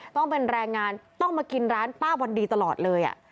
ต้องเป็นแรงงานต้องมากินร้านป้าวันดีตลอดเลย